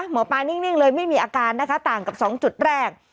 หมอปลานิ่งเลยไม่มีอาการนะคะต่างกับ๒จุดแรก